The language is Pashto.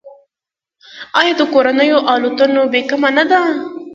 آیا د کورنیو الوتنو بیه کمه نه ده؟